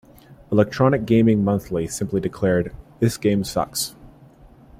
"Electronic Gaming Monthly" simply declared: "This game sucks.